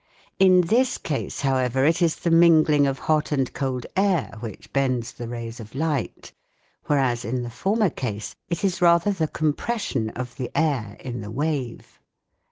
In this case, however, it is the mingling of hot and cold air which bends the rays of light, whereas in the former case it is rather the compression of the air in the wave.